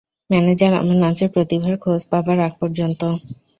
Manager আমার নাচের প্রতিভার খোঁজ পাবার আগ পর্যন্ত।